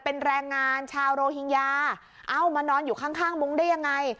เป็นแรงงานชาวโรฮิงญาเอ้ามานอนอยู่ข้างข้างมุ้งได้ยังไง